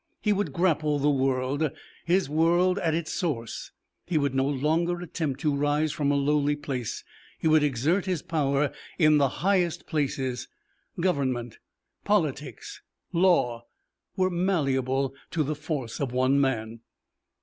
He would grapple the world, his world, at its source; he would no longer attempt to rise from a lowly place; he would exert his power in the highest places; government, politics, law, were malleable to the force of one man.